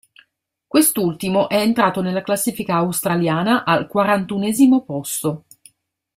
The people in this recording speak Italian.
Quest'ultimo è entrato nella classifica australiana al quarantunesimo posto.